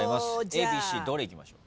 ＡＢＣどれいきましょう？